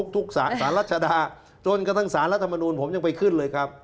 สารรัชดาจนกระทั่งสารรัฐมนูลผมยังไปขึ้นเลยครับ